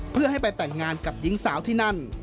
เพื่อให้ไปแต่งงานกับหญิงสาวที่นั่น